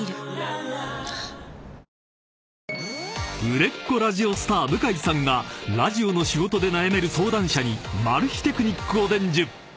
［売れっ子ラジオスター向井さんがラジオの仕事で悩める相談者にマル秘テクニックを伝授］